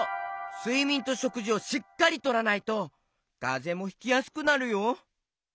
すいみんとしょくじをしっかりとらないとかぜもひきやすくなるよ。